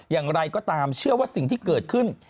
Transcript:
อย่างไรก็ตามเชื่อว่าสิ่งที่เกิดขึ้น